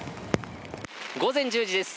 午前１０時です。